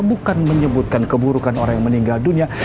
bukan menyebutkan keburukan orang yang meninggal dunia